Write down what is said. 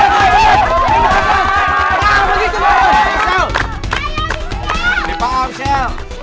terus terus terus bagus bagus iya terus